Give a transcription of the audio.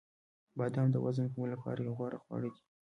• بادام د وزن کمولو لپاره یو غوره خواړه دي.